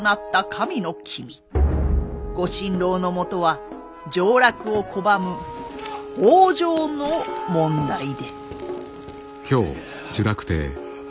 ご心労のもとは上洛を拒む北条の問題で。